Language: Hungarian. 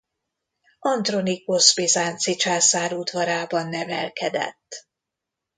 Andronikosz bizánci császár udvarában nevelkedett.